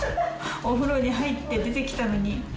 お風呂に入って出て来たのに。